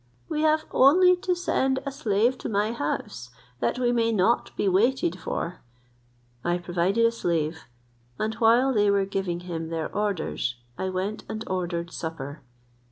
We have only to send a slave to my house, that we may not be waited for. I provided a slave; and while they were giving him their orders, I went and ordered supper.